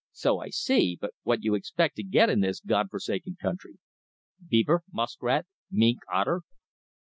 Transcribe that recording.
"So I see. But what you expect to get in this Godforsaken country?" "Beaver, muskrat, mink, otter."